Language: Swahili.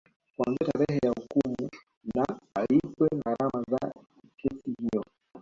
Kuanzia tarehe ya hukumu na alipwe gharama za kesi hiyo